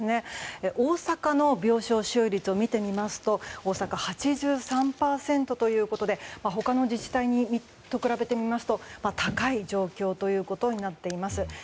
大阪の病床使用率を見てみますと大阪、８３％ということで他の自治体と比べてみますと高い状況ということになっています。